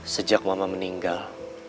sejak mama meninggal